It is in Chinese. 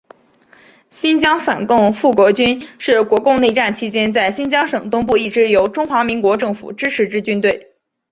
新疆反共复国军是国共内战期间在新疆省东部一支由中华民国政府支持之军队。